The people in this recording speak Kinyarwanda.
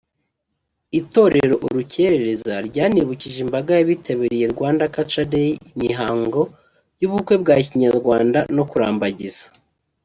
Itorero urukerereza ryanibukije imbaga yitabiriye Rwanda Cutural Day imihango y’ubukwe bwa Kinyarwanda nko kurambagiza